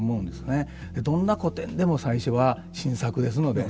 どんな古典でも最初は新作ですので。